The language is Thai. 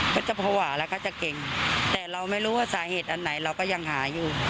ก็จะภาวะแล้วก็จะเก่งแต่เราไม่รู้ว่าสาเหตุอันไหนเราก็ยังหาอยู่